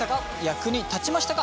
役に立ちましたか？